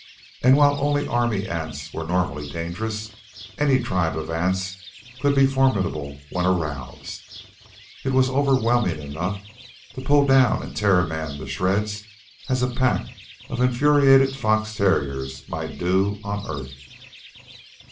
And while only army ants were normally dangerous, any tribe of ants could be formidable when aroused. It was overwhelming enough to pull down and tear a man to shreds as a pack of infuriated fox terriers might do on Earth.